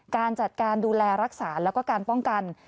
การจัดการดูแลรักษาแล้วก็การป้องกัน